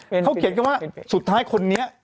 เขาเขียนกันว่าสุดท้ายคนนี้